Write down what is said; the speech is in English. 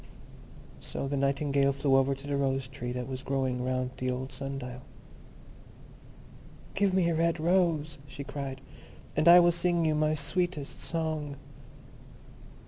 So the Nightingale flew over to the Rose tree that was growing round the old sun dial. "Give me a red rose," she cried, "and I will sing you my sweetest song."